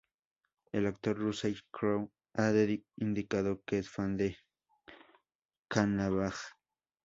El actor Russell Crowe ha indicado que es un fan de Kavanagh.